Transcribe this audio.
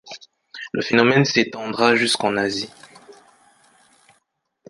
Le phénomène s'étendra jusqu'en Asie.